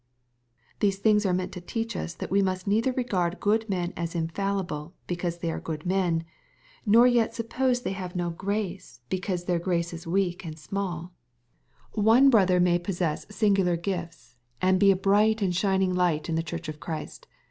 These things are meant to teach us that we must neither regard good men as infallible, because they are good men, nor yet suppose they have no grace, because 200 EXFOSITOBT THOUGHTS. their grace is weak and BmalL One brother may possess singular gifts, and be a bright and shining light in the Church of Christ.